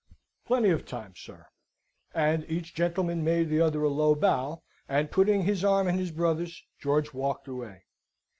"Plenty of time, sir." And each gentleman made the other a low bow, and, putting his arm in his brother's, George walked away.